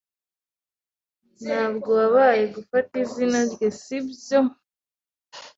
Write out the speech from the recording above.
Ntabwo wabaye gufata izina rye, sibyo?